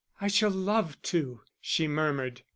"I shall love to," she murmured.